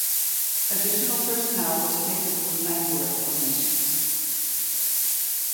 Additional personnel was taken from "Landwehr" formations.